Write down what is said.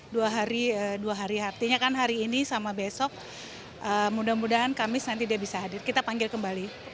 dua hari dua hari artinya kan hari ini sama besok mudah mudahan kamis nanti dia bisa hadir kita panggil kembali